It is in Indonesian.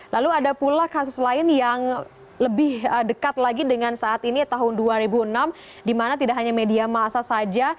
lalu ada pula kasus lain yang lebih dekat lagi dengan saat ini tahun dua ribu enam di mana tidak hanya media masa saja